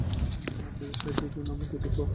আপনাদের সাহায্যের জন্য আমরা কৃতজ্ঞ।